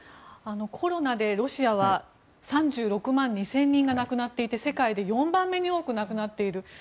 コロナでロシアは３６万２０００人が亡くなっていて世界で４番目に多く亡くなっている。